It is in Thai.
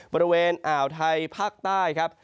บริเวณอ่าวไทยภาคใต้ครับ